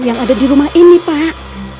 yang ada di rumah ini pak